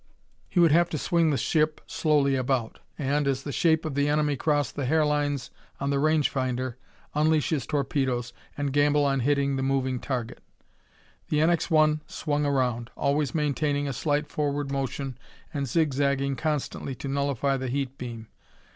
He would have to swing the ship slowly about; and, as the shape of the enemy crossed the hair lines on the range finder, unleash his torpedoes and gamble on hitting the moving target. The NX 1 swung around, always maintaining a slight forward motion and zigzagging constantly to nullify the heat beam.